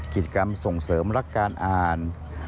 กิจกรรมส่งเสริมรักการอ่าน